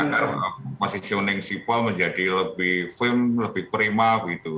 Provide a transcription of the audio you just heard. agar positioning sipol menjadi lebih firm lebih prima begitu